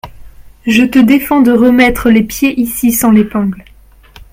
Je te défends de remettre les pieds ici sans l’épingle !